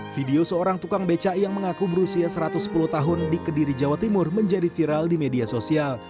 video seorang tukang beca yang mengaku berusia satu ratus sepuluh tahun di kediri jawa timur menjadi viral di media sosial